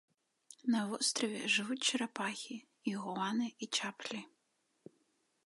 На востраве жывуць чарапахі, ігуаны і чаплі.